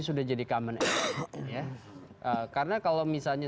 sudah jadi common an karena kalau misalnya